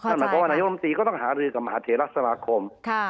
นั่นหมายถึงว่าไนยกรรมตรีก็ต้องหาคฤษกับมหาเถรสมาคม